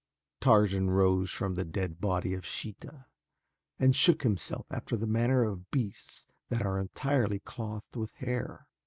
Tarzan rose from the dead body of Sheeta and shook himself after the manner of beasts that are entirely clothed with hair.